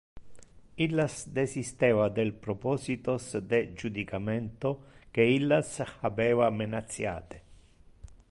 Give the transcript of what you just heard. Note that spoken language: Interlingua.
Illas desisteva del propositos de judicamento que illas habeva menaciate.